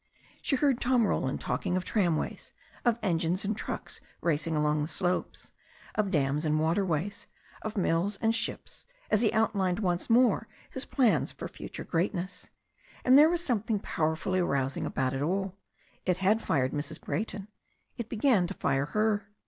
She heard Tom Ro land talking of tramways, of engines and trucks racing along the slopes, of dams and waterways, of mills and ships, as he outlined once more his plans for future greatness. And there was something powerfully arousing about it all. It had fired Mrs. Brayton. It began to fire her.